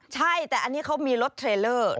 ใช่แต่อันนี้เขามีรถเทรลเลอร์